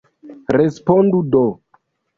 Respondu do!